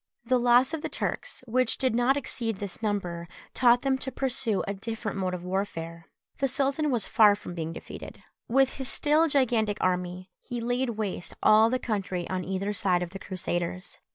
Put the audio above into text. The loss of the Turks, which did not exceed this number, taught them to pursue a different mode of warfare. The sultan was far from being defeated. With his still gigantic army, he laid waste all the country on either side of the Crusaders.